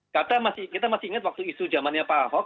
kata kita masih ingat waktu isu zamannya pak ahok